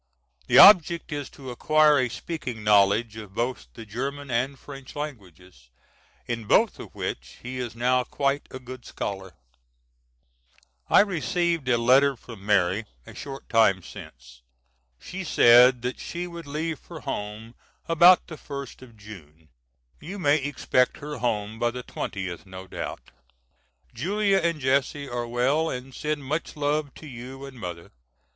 The object is to acquire a speaking knowledge of both the German and French languages, in both of which he is now quite a good scholar. I received a letter from Mary a short time since. She said that she would leave for home about the first of June. You may expect her home by the twentieth no doubt. Julia and Jesse are well and send much love to you and Mother.